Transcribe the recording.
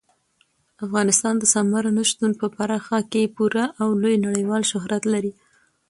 افغانستان د سمندر نه شتون په برخه کې پوره او لوی نړیوال شهرت لري.